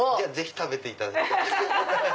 食べていただいて。